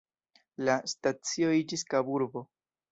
La stacio iĝis Kaburbo.